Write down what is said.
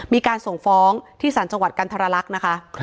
มีการส่งฟ้องที่สารจังหวัดกันทรลักษณ์นะคะ